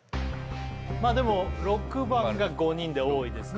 まあでも６番が５人で多いですね